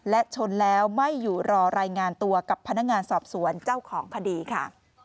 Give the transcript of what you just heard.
และชนแล้วไม่อยู่รอรายงานตัวกับพนักงานสอบสวนเจ้าของคดีค่ะ